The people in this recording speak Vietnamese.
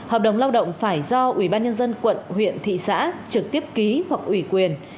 hợp đồng lao động phải do ubnd quận huyện thị xã trực tiếp ký hoặc ủy quyền